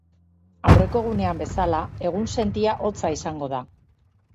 Aurreko egunean bezala, egunsentia hotza izango da.